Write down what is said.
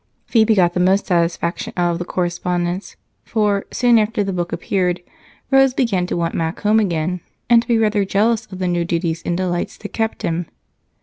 Phebe got the most satisfaction out of the correspondence, for soon after the book appeared Rose began to want Mac home again and to be rather jealous of the new duties and delights that kept him.